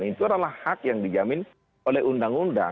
itu adalah hak yang dijamin oleh undang undang